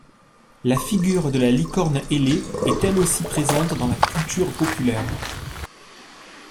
La figure de la licorne ailée est elle aussi présente dans la culture populaire.